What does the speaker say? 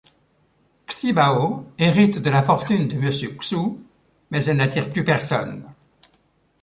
XiBao hérite de la fortune de Monsieur Xu mais elle n’attire plus personne.